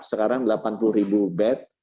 sekarang delapan puluh bed